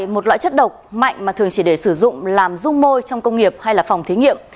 một loại chất độc mạnh mà thường chỉ để sử dụng làm dung môi trong công nghiệp hay là phòng thí nghiệm